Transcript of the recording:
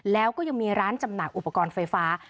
แล้วก็ยังมีร้านจำหน่ายอุปกรณ์ไฟฟ้า